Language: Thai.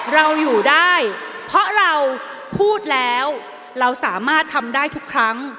เราอยู่ได้เพราะเราพูดแล้วเราสามารถทำได้ทุกครั้ง